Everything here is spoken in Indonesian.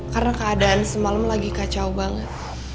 karena keadaan semalam lagi kacau banget